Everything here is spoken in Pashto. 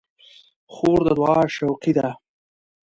خور د دعا شوقي ده.